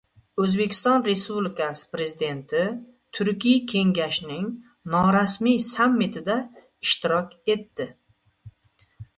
O‘zbekiston Respublikasi Prezidenti Turkiy kengashning norasmiy sammitida ishtirok etdi